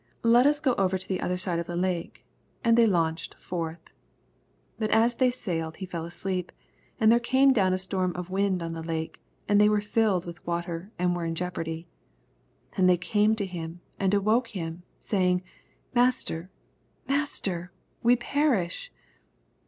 Let ns go over unto the other side or the lake. And they launched forth. 23 But as they suled he fell asleep : and there came down a storm of wind on the lake ; and they were filled tiM water J and were in jeopardy. 24 And they came to him, and awoke him. saying, Master, master. w« perish.